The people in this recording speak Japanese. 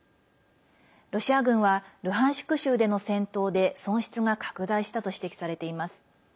ロシア軍はルハンシク州での戦闘で損失が拡大したと指摘されています。